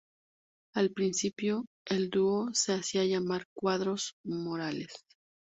Al principio, el dúo se hacía llamar Cuadros-Morales.